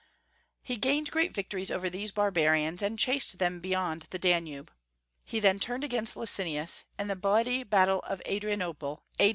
He gained great victories over these barbarians, and chased them beyond the Danube. He then turned against Licinius, and the bloody battle of Adrianople, A.